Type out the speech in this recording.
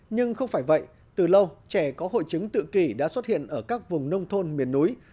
nhưng không phải vậy từ lâu trẻ có hội chứng tự kỷ đã xuất hiện ở các vùng nông thôn miền núi